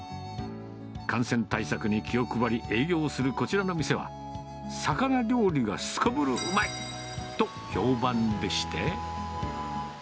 感染対策に気を配り、営業するこちらの店は、魚料理がすこぶるうまいと評判でして。